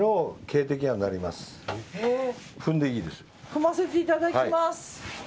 踏ませていただきます。